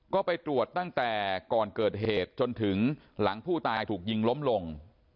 ก็ไปตรวจตั้งแต่ก่อนเกิดเหตุจนถึงหลังผู้ตายถูกยิงล้มลง